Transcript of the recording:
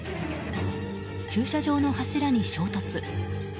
駐車場の柱に衝突。